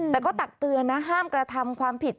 แต่ก็ตักเตือนนะห้ามกระทำความผิด